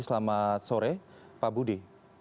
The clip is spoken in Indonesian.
selamat sore pak budi